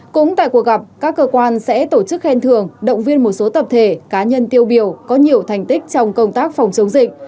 cũng tại cuộc gặp các cơ quan sẽ tổ chức khen thường động viên một số tập thể cá nhân tiêu biểu có nhiều thành tích trong công tác phòng chống dịch